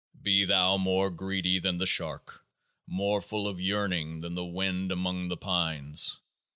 Be thou more greedy that the shark, more full of yearning than the wind among the pines.